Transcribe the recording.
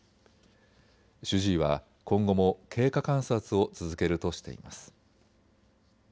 主治医は今後も経過観察を続けるとしています。